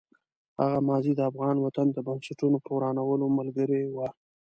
هغه ماضي د افغان وطن د بنسټونو په ورانولو ملګرې وه.